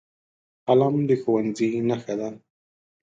قلم د ښوونځي نښه ده